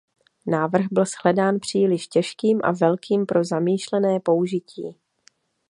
Návrh byl shledán příliš těžkým a velkým pro zamýšlené použití.